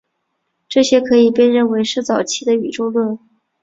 这些可以被认为是早期的宇宙论。